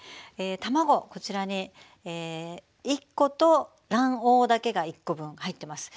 卵こちらに１コと卵黄だけが１コ分入ってます。